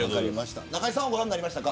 中居さんはご覧になりましたか。